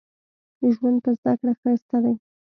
ژوند په زده کړه ښايسته دې